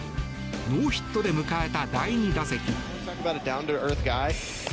ノーヒットで迎えた第２打席。